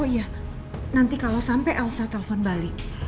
oh iya nanti kalau sampai elsa telpon balik